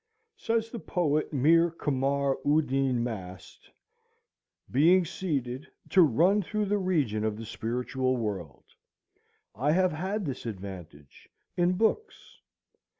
Says the poet Mîr Camar Uddîn Mast, "Being seated to run through the region of the spiritual world; I have had this advantage in books.